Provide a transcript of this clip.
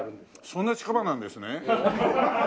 そんな近場なんですね。